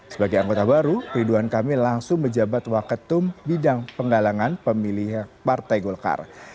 sebagai anggota baru ridwan kamil langsung menjabat waketum bidang penggalangan pemilih partai golkar